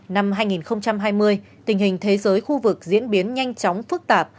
năm hai nghìn hai mươi tình hình thế giới khu vực diễn biến nhanh chóng phức tạp